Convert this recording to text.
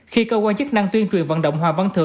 khi cơ quan chức năng tuyên truyền vận động hoàng văn thừa